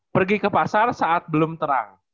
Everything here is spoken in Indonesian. pergi ke pasar saat belum terang